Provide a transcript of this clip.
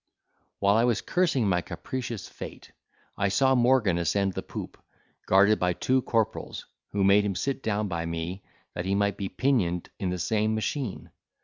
While I was cursing my capricious fate, I saw Morgan ascend the poop, guarded by two corporals, who made him sit down by me, that he might be pinioned in the same machine.